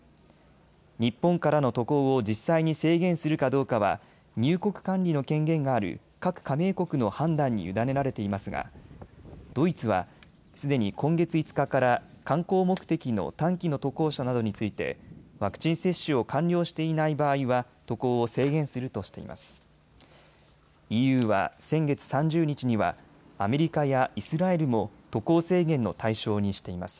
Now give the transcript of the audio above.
日本からの渡航を実際に制限するかどうかは入国管理の権限がある各加盟国の判断に委ねられていますがドイツはすでに今月５日から観光目的の短期の渡航者などについてワクチン接種を完了していない場合は渡航を制限するとしています。